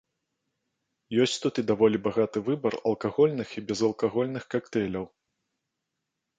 Ёсць тут і даволі багаты выбар алкагольных і безалкагольных кактэйляў.